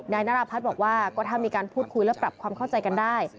นายนรพัฒน์บอกว่าก็ถ้ามีการพูดคุยและปรับความเข้าใจกันได้